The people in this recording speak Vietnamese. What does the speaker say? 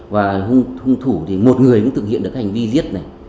và hung thủ thì một người cũng thực hiện được cái hành vi giết này